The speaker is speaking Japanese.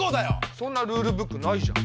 そんなルールブックないじゃん。